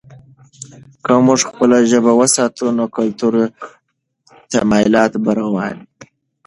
که موږ خپله ژبه وساتو، نو کلتوري تمایلات به روان وي.